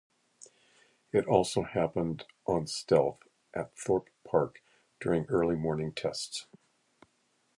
It has also happened on Stealth at Thorpe Park during early morning tests.